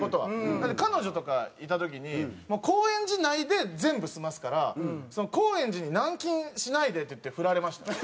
なので彼女とかいた時に高円寺内で全部済ますから「高円寺に軟禁しないで」っていってフラれました。